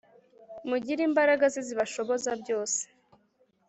mugire imbaraga ze zibashoboza byose.